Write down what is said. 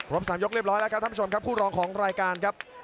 ๓ยกเรียบร้อยแล้วครับท่านผู้ชมครับคู่รองของรายการครับ